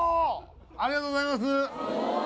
ありがとうございます。